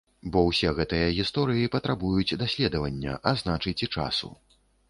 Бо ўсе гэтыя гісторыі патрабуюць даследавання, а значыць, і часу.